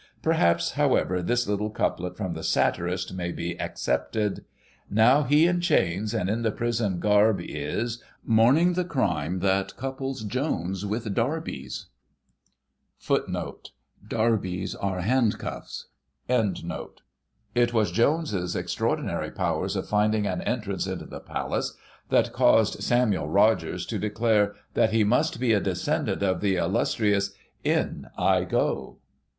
Perhaps, however, this little couplet from the Satirist may be excepted :Now he in chains and in the prison garb is Mourning the crime that couples Jones with darbies.*'* It was Jones's extraordinary powers of finding an entrance into the Palace that caused Samuel Rogers to declare that he must be a descendant of the illustrious In — i — go.